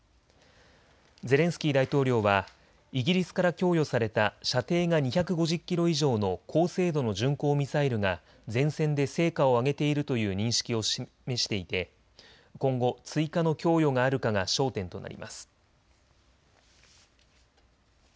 ゼレンスキー大統領はイギリスから供与された射程が２５０キロ以上の高精度の巡航ミサイルが前線で成果を上げているという認識を示していて今後、追加の供与があるかが焦点となります。